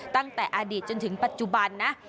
ตั้งแต่อดีตจนถึงปัจจุบันนะ